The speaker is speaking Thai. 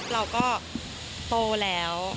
เราก็โตแล้ว